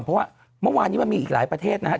เพราะว่าเมื่อวานนี้มันมีอีกหลายประเทศนะครับ